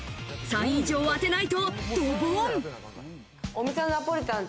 ３位以上当てないとドボン。